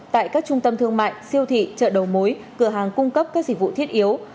tại các trung tâm thương mại siêu thị chợ đầu mối cửa hàng cung cấp các dịch vụ thiết yếu